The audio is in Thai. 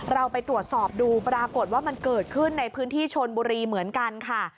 เราไปตรวจสอบดูปรากฏว่ามันเกิดขึ้นในพื้นที่ชนบุรีเหมือนกันค่ะ